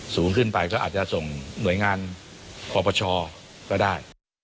สูงขึ้นไปก็อาจจะส่งหน่วยงานปปชก็ได้